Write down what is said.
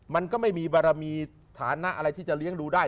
มันก็ไม่มีบารมีฐานะอะไรที่จะเลี้ยงดูได้